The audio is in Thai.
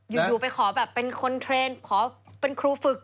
อยู่ไปขอแบบเป็นคอนเทรนด์ขอเป็นครูฝึก